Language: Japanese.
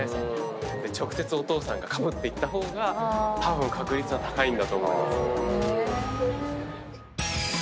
直接お父さんがカプッていった方がたぶん確率は高いんだと思います。